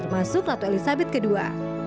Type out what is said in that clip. dari sabit kedua